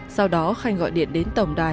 sau đó khanh gọi điện đến tổng đài